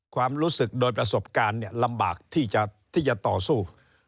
ความรู้สึกโดยประสบการณ์ลำบากที่จะต่อสู้